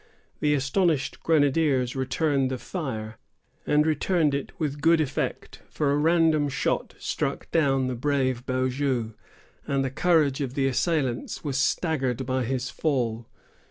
The astonished grenadiers returned the fire, and returned it with good effect; for a random shot struck down the brave Beaujeu, and the courage of the assailants was staggered by his fall.